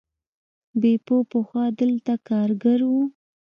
بیپو پخوا دلته کارګر و.